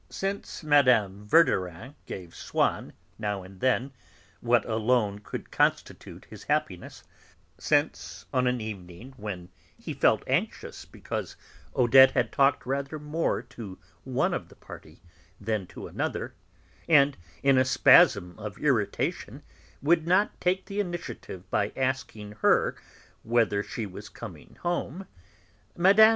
Since Mme. Verdurin gave Swann, now and then, what alone could constitute his happiness; since, on an evening when he felt anxious because Odette had talked rather more to one of the party than to another, and, in a spasm of irritation, would not take the initiative by asking her whether she was coming home, Mme.